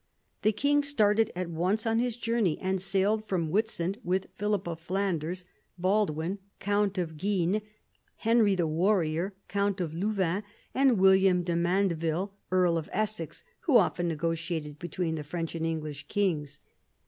The king started at once on his journey, and sailed from Witsand with Philip of Flanders, Baldwin, count of Guisnes, Henry the Warrior, count of Louvain, and William de Mandeville, earl of Essex, who often negotiated between the French and English kings.